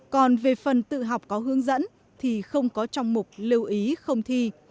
còn về phần tự học có hướng dẫn thì không có trong mục lưu ý không thi